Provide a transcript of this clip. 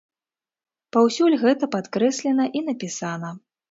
Паўсюль гэта падкрэслена і напісана.